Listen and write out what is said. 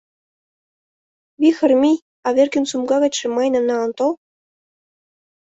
— Вихыр, мий, Аверкин сумка гычше мыйыным налын тол!